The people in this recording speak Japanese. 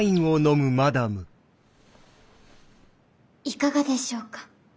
いかがでしょうか？